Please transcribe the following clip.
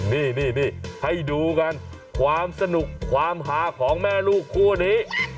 นี่ให้ดูกันความสนุกความหาของแม่ลูกคู่นี้